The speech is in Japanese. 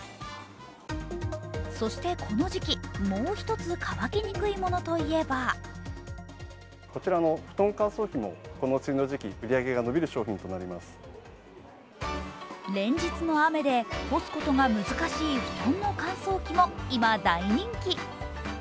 そして、この時期、もう一つ乾きにくいものといえば連日の雨で干すことが難しい布団の乾燥機も今大人気。